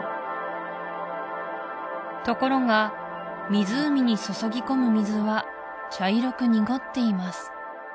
ところが湖に注ぎ込む水は茶色く濁っています